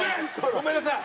ごめんなさい！